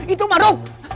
itu mah ruk